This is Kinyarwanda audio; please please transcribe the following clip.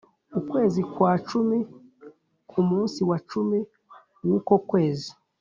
ukwezi kwa cumi ku munsi wa cumi w’ uko kwezi